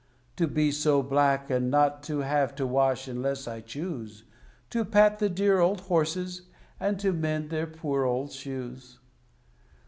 To be so black, and not to have to wash unless I choose; To pat the dear old horses, and to mend their poor old shoes.